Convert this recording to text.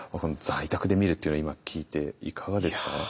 在宅で見るっていうのは今聞いていかがですか？